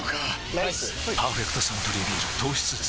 ライス「パーフェクトサントリービール糖質ゼロ」